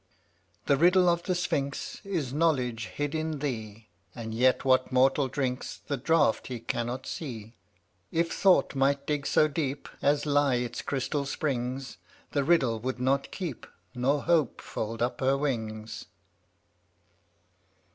88 The riddle of the Sphinx Is knowledge hid in thee, And yet what mortal drinks The draught he cannot see? If thought might dig so deep As lie its crystal springs, The riddle would not keep — Nor Hope fold up her wings.